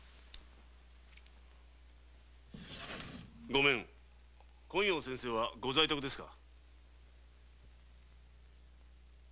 ごめん昆陽先生は御在宅ですか？